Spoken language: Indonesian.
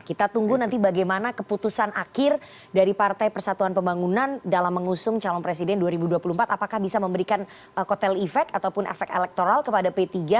kita tunggu nanti bagaimana keputusan akhir dari partai persatuan pembangunan dalam mengusung calon presiden dua ribu dua puluh empat apakah bisa memberikan kotel efek ataupun efek elektoral kepada p tiga